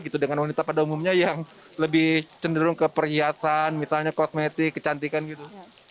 gitu dengan wanita pada umumnya yang lebih cenderung ke perhiasan misalnya kosmetik kecantikan gitu